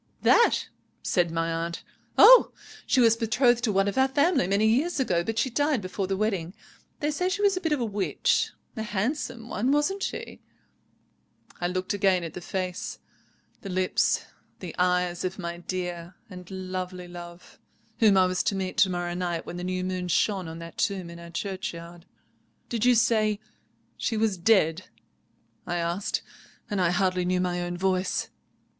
"'That?' said my aunt. 'Oh! she was betrothed to one of our family many years ago, but she died before the wedding. They say she was a bit of a witch. A handsome one, wasn't she?' "I looked again at the face, the lips, the eyes of my dear and lovely love, whom I was to meet to morrow night when the new moon shone on that tomb in our churchyard. "'Did you say she was dead?' I asked, and I hardly knew my own voice.